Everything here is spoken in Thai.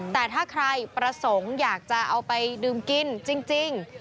แต่ถ้าใครประสงค์อยากจะเอาไปดื่มกินจริง